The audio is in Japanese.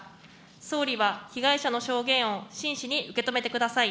総理は被害者の証言を真摯に受け止めてください。